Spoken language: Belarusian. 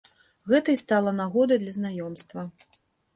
Гэта і стала нагодай для знаёмства.